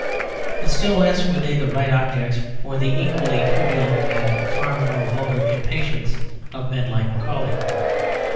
But still less were they the right objects for the equally trivial and far more vulgar impatience of men like Macaulay.